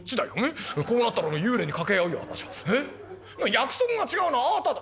約束が違うのはあなただ。